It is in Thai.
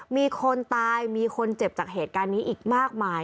มีคนตายมีคนเจ็บจากเหตุการณ์นี้อีกมากมาย